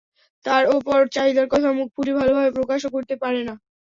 তার ওপর চাহিদার কথা মুখ ফুটে ভালোভাবে প্রকাশও করতে পারে না।